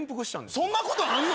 そんなことあんの！？